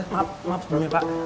maaf maaf sebelumnya pak